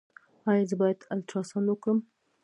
ایا زه باید الټراساونډ وکړم؟